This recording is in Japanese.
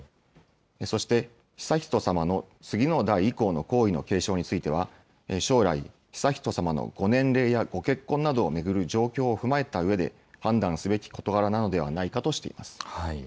そして、悠仁さまの次の代以降の皇位の継承については、将来、悠仁さまのご年齢やご結婚などを巡る状況などを踏まえたうえで、判断すべき事柄なのではないかとしています。